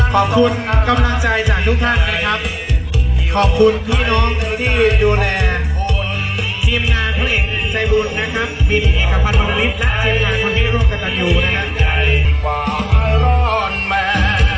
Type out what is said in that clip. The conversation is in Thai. ขอบคุณกำลังใจจากทุกท่านนะครับขอบคุณทีน้องที่ดูแล